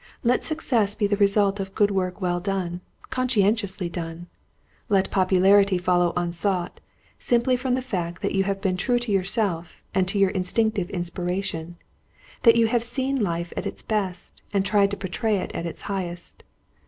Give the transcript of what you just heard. Let success be the result of good work well done conscientiously done. Let popularity follow unsought, simply from the fact that you have been true to yourself, and to your instinctive inspiration; that you have seen life at its best, and tried to portray it at its highest.